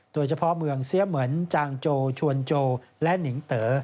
โดยเฉพาะเมืองเสียเหมือนจางโจชวนโจและนิงเต๋อ